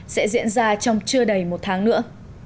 sẽ diễn ra trong chưa đầy một tháng nữa